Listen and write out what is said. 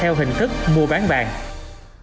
theo hình thức mua bán bàn